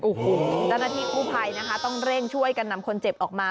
จัดหน้าที่ผู้ภัยต้องเร่งช่วยกันนำคนเจ็บออกมา